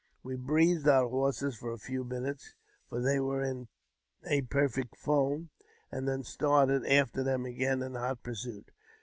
We breathed our horses for a few minutes, for they were in a perfect foam, and then started after them again in hot pursuit.